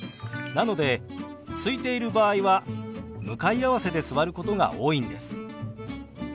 なのですいている場合は向かい合わせで座ることが多いんです。